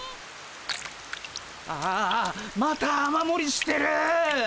ああまた雨もりしてる！